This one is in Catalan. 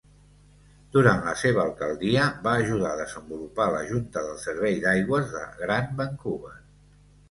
Durant la seva alcaldia, va ajudar a desenvolupar la junta del servei d'aigües de Gran Vancouver.